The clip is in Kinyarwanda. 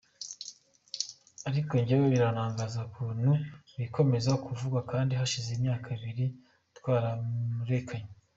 Ariko njyewe birantangaza ukuntu bikomeza kuvugwa kandi hashize imyaka ibiri twararekanye.